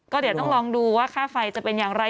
ก็เดี๋ยวต้องลองดูว่าค่าไฟจะเป็นอย่างไร